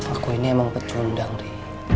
aku ini emang pecundang nih